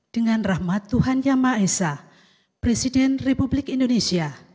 dengan rahmat tuhan yang maha esa presiden republik indonesia